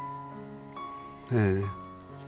ええ。